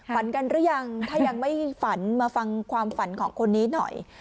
ฝันกันหรือยังถ้ายังไม่ฝันมาฟังความฝันของคนนี้หน่อย